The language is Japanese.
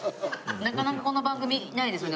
なかなかこの番組ないですよね